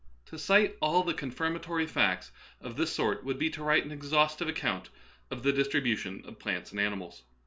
To cite all the con firmatory facts of this sort would be to write an exhaustive account of the distribution of plants and animals.